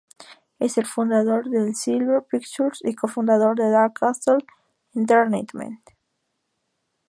Es el fundador de Silver Pictures y co-fundador de Dark Castle Entertainment.